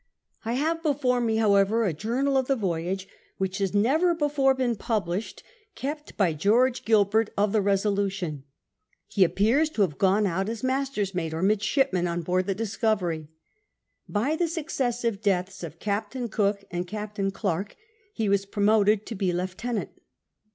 1 have before me, however, a journal of the voyage, which has never before been published, kept by George Gilbert of the Efisolution, lie appears to have gone out as master's mate or midshipman on board the Discovery. By the successive deaths of Captain Cook and Captain Clerke he was promoted to be lieutenant.